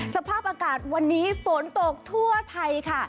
สภาพอากาศวันนี้ฝนตกทั่วไทยค่ะ